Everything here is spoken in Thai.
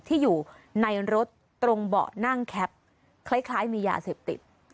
ที่อยู่ในรถตรงเบาะนั่งแคปคล้ายมียาเสพติด